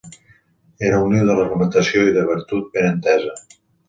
Era un niu de reglamentació i de virtut ben entesa.